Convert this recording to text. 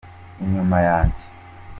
inyuma yanjye.